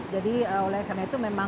jadi karena itu memang